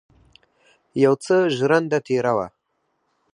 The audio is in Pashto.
یو څه ژرنده تېره وه.